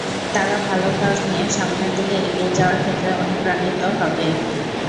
তারা ভালো কাজ নিয়ে সামনের দিকে এগিয়ে যাওয়ার ক্ষেত্রে অনুপ্রাণিত হবে।